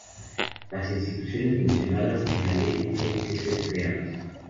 Las instituciones mencionadas en la ley tienen que ser creados.